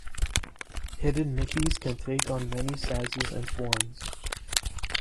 Hidden Mickeys can take on many sizes and forms.